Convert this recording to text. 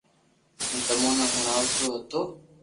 ھون تمو ني ھڻاوتو ھتو